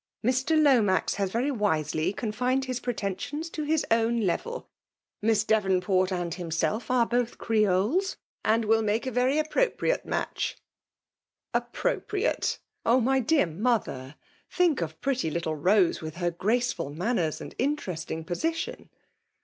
'^ Mk. Lomax has Tery visely confiBed his preteiMcws to his omt leveL Miss Devooh port aad himself are both Cieoler, and will vaifca a very appropiiate match*" ^ ApprofHoate? — oh» my dear mother!—* Think of pret^ li4de Boa^ with her graoeftil manners aad interesting position